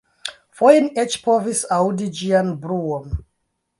Foje ni eĉ povis aŭdi ĝian bruon.